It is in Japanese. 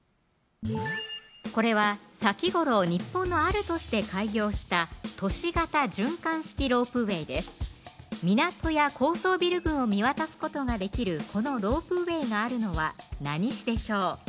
これは先頃日本のある都市で開業した都市型循環式ロープウェイです港や高層ビル群を見渡すことができるこのロープウェイがあるのは何市でしょう